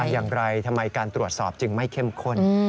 อย่างไรทำไมการตรวจสอบจึงไม่เข้มข้น